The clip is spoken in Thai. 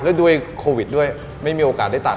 แล้วด้วยโควิดด้วยไม่มีโอกาสได้ตัด